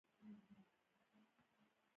ائینه مې را واخیسته او ومې کتل چې